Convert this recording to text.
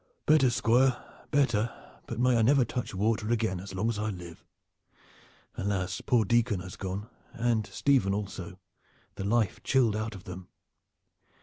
"Better, Squire, better, but may I never touch water again as long as I live! Alas! poor Dicon has gone, and Stephen also the life chilled out of them.